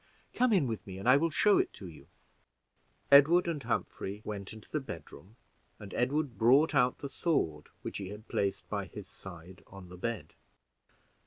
Come in with me, and I will show it to you." Edward and Humphrey went into the bedroom, and Edward brought out the sword, which he had placed by his side on the bed.